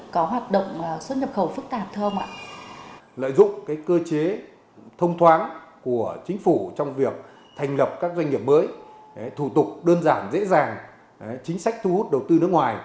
có hoạt động xuất nhập khẩu phức tạp hơn